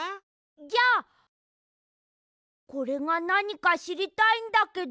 じゃこれがなにかしりたいんだけど。